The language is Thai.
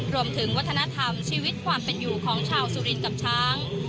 รวมถึงวัฒนธรรมชีวิตความเป็นอยู่ของชาวสุรินกับช้าง